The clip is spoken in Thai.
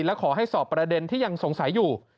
และขอให้สอบประเด็นที่ยังสงสัยอยู่